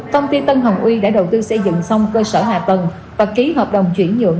công ty tân hồng uy đã đầu tư xây dựng xong cơ sở hạ tầng và ký hợp đồng chuyển nhượng